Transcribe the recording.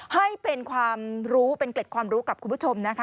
ให้เป็นเกร็ดความรู้กับคุณผู้ชมนะคะ